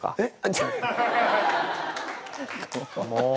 えっ。